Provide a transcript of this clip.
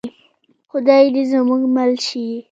خدای دې زموږ مل شي؟